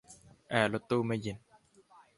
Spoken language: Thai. แอร์รถยนต์ไม่เย็น